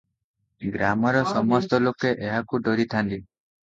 ଗ୍ରାମର ସମସ୍ତ ଲୋକେ ଏହାକୁ ଡରିଥାନ୍ତି ।